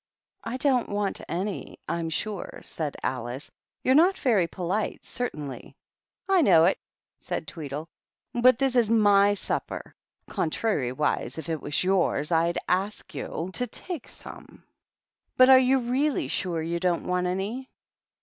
"I don't want any, I'm sure," said Ali " You're not very polite, certainly." " I know it," said Tweedle ;" but this is ; supper ; contrariwise, if it was yours, I'd ask y THE TWEEBLES. 273 to take some. But are you really sure you don't want any?"